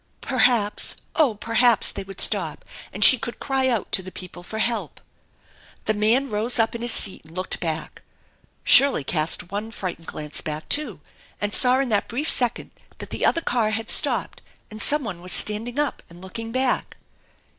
Perhaps oh, perhaps they would stop and she could cry out to the people for help. The man rose up in his seat and looked back. Shirley casl one frightened glance back, too, and saw in that brief second that the other car had stopped and someone was standing up aiu? looking back.